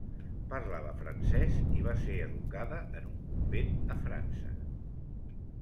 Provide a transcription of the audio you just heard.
Parlava francès i va ser educada en un convent a França.